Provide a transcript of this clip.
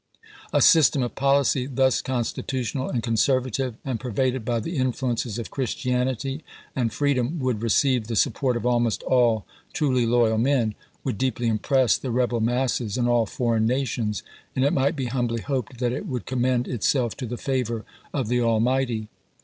A system of policy thus constitutional and con servative, and pervaded by the influences of Christianity and freedom, would receive the support of almost all truly loyal men, would deeply impress the rebel masses and aU foreign nations, and it might be humbly hoped that it would commend itself to the favor of the Almighty.